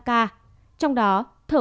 trong đó thở oxy